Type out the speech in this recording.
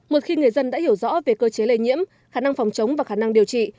một khi người dân đã hiểu rõ về cơ chế lây nhiễm khả năng phòng chống và khả năng điều trị